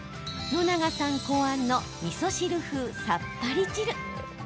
野永さん考案のみそ汁風さっぱり汁。